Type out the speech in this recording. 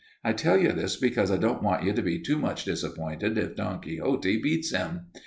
I tell you this because I don't want you to be too much disappointed if Don Quixote beats him.